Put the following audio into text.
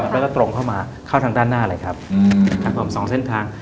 แล้วก็ตรงเข้ามาเข้าทางด้านหน้าเลยครับครับผมสองเส้นทาง